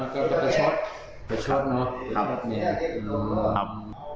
ใช่ครับ